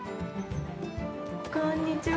こんにちは。